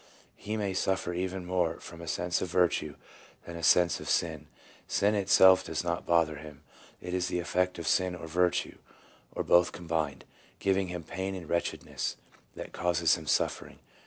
He may suffer even more from a sense of virtue than a sense of sin ; sin itself does not bother him ; it is the effect of sin or virtue, or both combined, giving him pain and wretchedness, that causes him suffering.